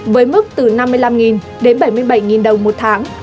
với mức từ năm mươi năm đến bảy mươi bảy đồng một tháng